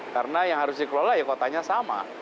karena yang harus dikelola ya kotanya sama